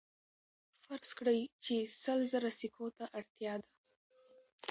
فرض کړئ چې سل زره سکو ته اړتیا ده